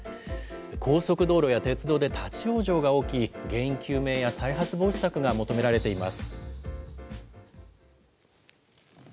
高速道路や鉄道で立往生が起き、原因究明や再発防止策が求められています。